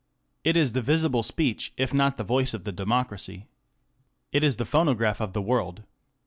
It is the visible speech if not the voice of the democracy. It is the phonograph of the world.